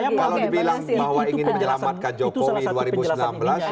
iya makanya kalau dibilang bahwa ingin menyelamatkan jokowi dua ribu enam belas